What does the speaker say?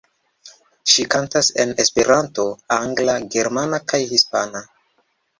Ŝi kantas en esperanto, angla, germana kaj hispana.